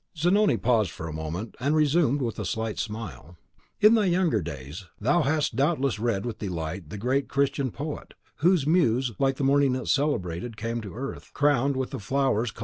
Zanoni paused a moment, and resumed with a slight smile, "In thy younger days thou hast doubtless read with delight the great Christian poet, whose muse, like the morning it celebrated, came to earth, 'crowned with flowers culled in Paradise.